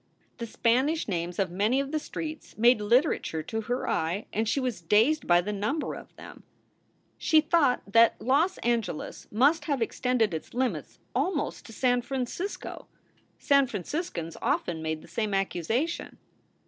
The Spanish names of many of the streets made litera ture to her eye and she was dazed by the number of them. SOULS FOR SALE 167 She thought that Los Angeles must have extended its limits almost to San Francisco. San Franciscans often made the same accusation.